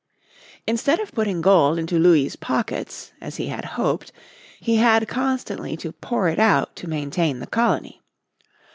Instead of putting gold into Louis' pockets, as he had hoped, he had constantly to pour it out to maintain the colony.